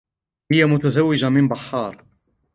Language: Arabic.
هىَ متزوجة من بحار.